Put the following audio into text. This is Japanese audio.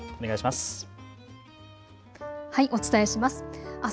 お伝えします。